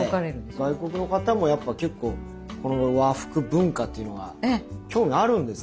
外国の方もやっぱ結構この和服文化というのが興味あるんですね